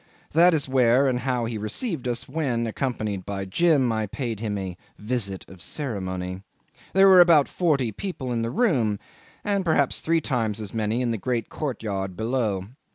That is where and how he received us when, accompanied by Jim, I paid him a visit of ceremony. There were about forty people in the room, and perhaps three times as many in the great courtyard below.